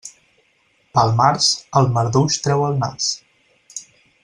Pel març, el marduix treu el nas.